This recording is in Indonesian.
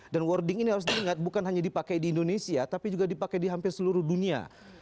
dan wording ini harus diingat bukan hanya dipakai di indonesia tapi juga dipakai di hampir seluruh dunia